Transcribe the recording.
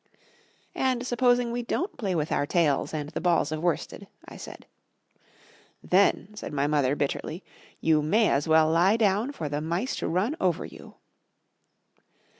"And supposing we don't play with our tails and the balls of worsted?" I said. "Then," said my mother bitterly, "you may as well lie down for the mice to, run over you."